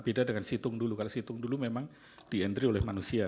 beda dengan situng dulu kalau situng dulu memang di entry oleh manusia